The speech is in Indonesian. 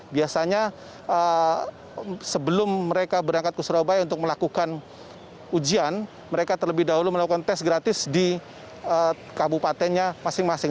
biasanya sebelum mereka berangkat ke surabaya untuk melakukan ujian mereka terlebih dahulu melakukan tes gratis di kabupatennya masing masing